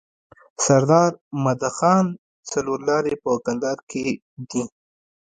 سرداد مدخان څلور لاری په کندهار ښار کي دی.